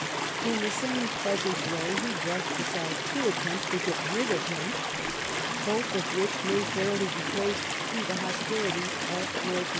In the same pleasant way he hrushed aside two attempts to get rid of him, hoth of which may fairly he traced to the hostility of George IV.